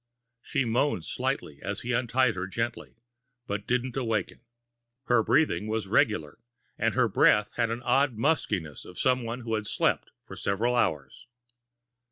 She moaned slightly as he untied her gently, but didn't awaken. Her breathing was regular, and her breath had the odd muskiness of someone who has slept for several hours.